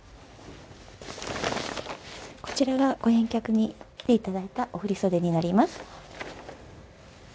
こちらがご返却に来ていただいたお振り袖になります。